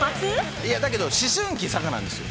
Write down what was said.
だけど思春期佐賀なんですよ。